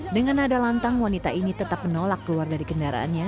dengan nada lantang wanita ini tetap menolak keluar dari kendaraannya